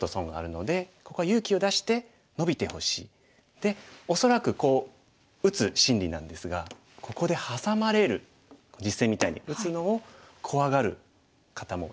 で恐らくこう打つ心理なんですがここでハサまれる実戦みたいに打つのを怖がる方もいらっしゃるのではないかと思います。